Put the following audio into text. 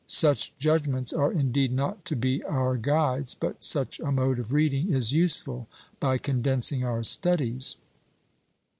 Such judgments are indeed not to be our guides; but such a mode of reading is useful, by condensing our studies.